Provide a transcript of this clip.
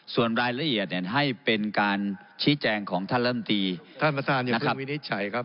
ส่วนรายละเอียดเนี่ยให้เป็นการชี้แจงของท่านลำตีท่านประธานมีคำวินิจฉัยครับ